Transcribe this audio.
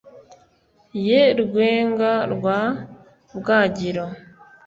ye rwenga rwa bwagiro,